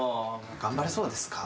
頑張れそうですか？